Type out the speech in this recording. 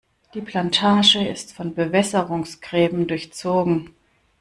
Die Plantage ist von Bewässerungsgräben durchzogen.